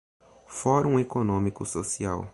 Fórum Econômico Social